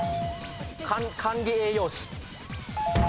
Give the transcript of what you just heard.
管理栄養士。